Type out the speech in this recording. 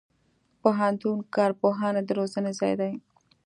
پوهنتون د کارپوهانو د روزنې ځای دی.